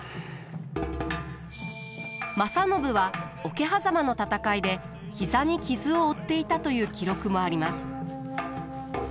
正信は桶狭間の戦いで膝に傷を負っていたという記録もあります。